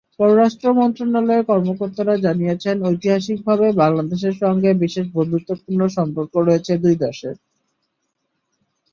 পররাষ্ট্র মন্ত্রণালয়ের কর্মকর্তারা জানিয়েছেন, ঐতিহাসিকভাবে বাংলাদেশের সঙ্গে বিশেষ বন্ধুত্বপূর্ণ সম্পর্ক রয়েছে দুই দেশের।